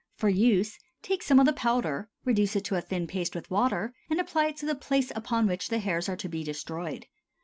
For use, take some of the powder, reduce it to a thin paste with water, and apply it to the place upon which the hairs are to be destroyed.